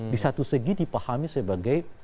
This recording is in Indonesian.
di satu segi dipahami sebagai